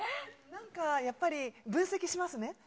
なんかやっぱり、分析しますね。